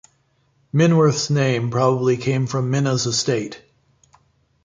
Minworth's name probably came from "Mynna's Estate".